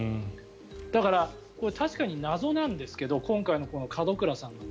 だから、確かに謎なんですけど今回の門倉さん。